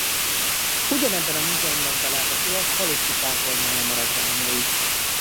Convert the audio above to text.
Ugyanebben a múzeumban találhatóak halotti kápolnája maradványai.